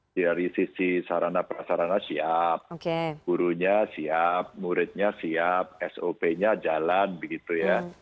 dari sisi sarana prasarana siap gurunya siap muridnya siap sop nya jalan begitu ya